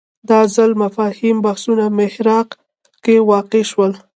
دا ځل مفاهیم بحثونو محراق کې واقع شول